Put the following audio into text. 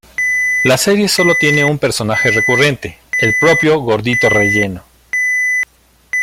La serie sólo tiene un personaje recurrente, el propio Gordito Relleno.